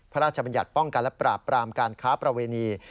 บัญญัติป้องกันและปราบปรามการค้าประเวณี